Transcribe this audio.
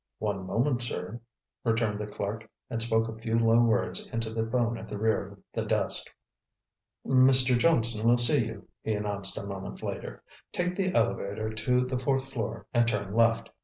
"One moment, sir," returned the clerk and spoke a few low words into the phone at the rear of the desk. "Mr. Johnson will see you," he announced a moment later. "Take the elevator to the fourth floor and turn left.